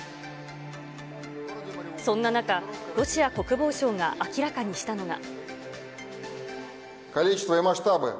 そんな中、ロシア国防省が明らかにしたのが。